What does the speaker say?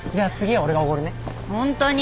ホントに？